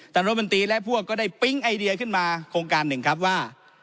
รัฐมนตรีและพวกก็ได้ปิ๊งไอเดียขึ้นมาโครงการหนึ่งครับว่า